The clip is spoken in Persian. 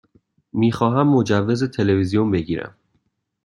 می خواهم مجوز تلویزیون بگیرم.